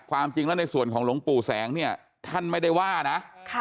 ความจริงแล้วในส่วนของหลวงปู่แสงเนี่ยท่านไม่ได้ว่านะ